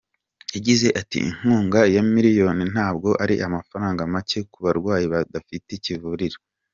Yagize ati “Inkunga ya miliyoni ntabwo ari amafaranga make ku barwayi badafite kivurira.